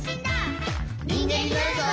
「にんげんになるぞ！」